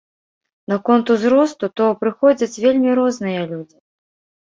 Наконт узросту, то прыходзяць вельмі розныя людзі.